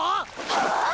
⁉はあ⁉